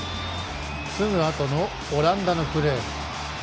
すぐあとのオランダのプレー。